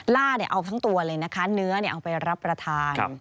ล่าเนี่ยเอาทั้งตัวเลยนะคะเนื้อเนี่ยเอาไปรับประทาน